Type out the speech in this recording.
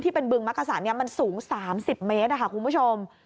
ที่เป็นบึงมักกระสานนะมันสูง๓๐เมตรครับคุณผู้ชม